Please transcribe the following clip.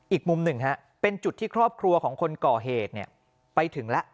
อีกมุมหนึ่งเป็นจุดที่ครอบครัวของคนก่อเหตุไปถึงแล้ว